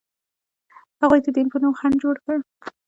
هغوی د دین په نوم خنډ جوړ کړ.